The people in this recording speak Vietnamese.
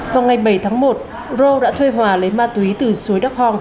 vào ngày bảy tháng một ro đã thuê hòa lấy ma túy từ suối đắk hòn